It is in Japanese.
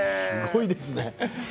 すごいですね。